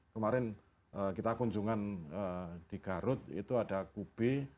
kemarin kita kunjungan di garut itu ada kube